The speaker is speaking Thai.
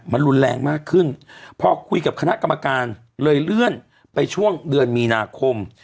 มันรุนแรงมากขึ้นพอคุยกับคณะกรรมการเลยเลื่อนไปช่วงเดือนมีนาคม